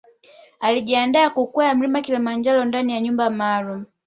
Alijiandaa kukwea Mlima Kilimanjaro ndani ya chumba maalum